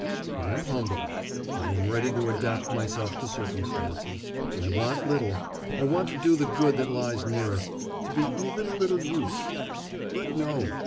I am humble, I am ready to adapt myself to circumstances; I want little; I want to do the good that lies nearest, to be even a little use. But no!